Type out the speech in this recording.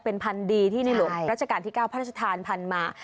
เป็นพันธุ์ดีที่ในหลวงรัชกาลที่๙พระราชทานพันธุ์มา